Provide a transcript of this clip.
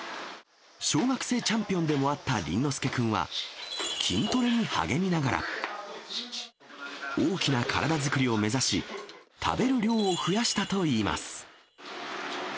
小学生チャンピオンでもあった倫之亮君は、筋トレに励みながら、大きな体作りを目指し、食べる量を増やしたといいます。